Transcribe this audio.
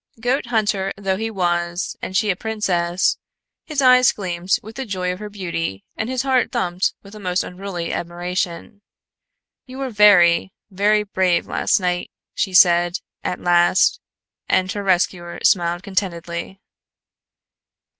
Goat hunter though he was and she a princess, his eyes gleamed with the joy of her beauty and his heart thumped with a most unruly admiration. "You were very, very brave last night," she said at last and her rescuer smiled contentedly.